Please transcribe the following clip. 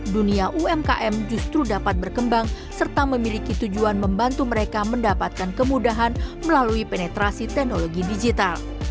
dunia umkm justru dapat berkembang serta memiliki tujuan membantu mereka mendapatkan kemudahan melalui penetrasi teknologi digital